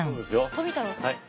富太郎さんです。